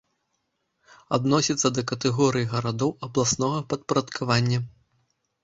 Адносіцца да катэгорыі гарадоў абласнога падпарадкавання.